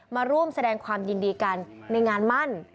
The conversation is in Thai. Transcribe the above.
มาร่วมแสดงความยินดีกันในงานมั่น